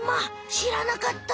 しらなかった！